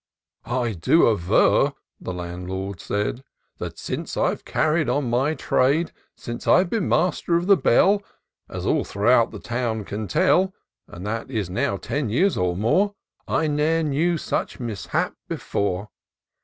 " I do aver," the Landlord said, " That since I've carried on my trade, A A 178 TOUR OF DOCTOR SYNTAX Since I've been master of the Bell, As all throughout the town can tell, (And that is now ten years or more) I ne'er knew such mishap before.